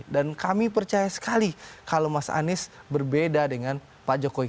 dan kami percaya sekali kalau mas anis berbeda dengan pak jokowi